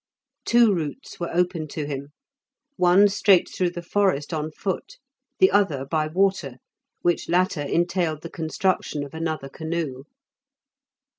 Two routes were open to him; one straight through the forest on foot, the other by water, which latter entailed the construction of another canoe.